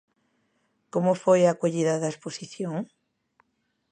Como foi a acollida da exposición?